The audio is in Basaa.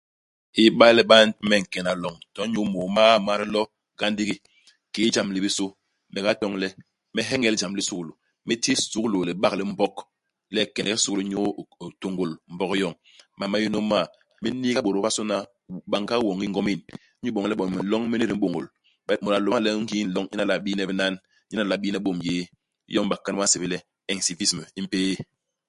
Iba le ba ntéé me nkena loñ, to inyu 30 ma dilo nga ndigi, kiki jam li bisu, me gatoñ le me heñel jam li sukulu ; me ti sukulu libak li Mbog, le u kenek i sukulu inyu i ku itôngôl Mbog yoñ. Mam ma n'yônôs m'ma, me n'niiga bôt bobasôna w banga woñi i ngomin, inyu iboñ le bo minloñ mini di m'bôñôl, ba mut a lo bañ le i ngii nloñ nyen a lo a biine binan, nyen a lo a biine bôm yéé. Iyom bakana ba nsébél le incivisme, i mpéé.